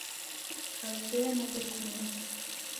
Kazoya daw'ekunugha.